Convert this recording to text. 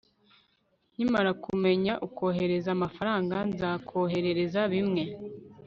nkimara kumenya ukohereza amafaranga, nzakoherereza bimwe